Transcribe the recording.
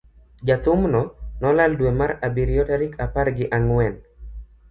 jathum no nolal dwe mar abiriyo tarik apar gi ang'wen,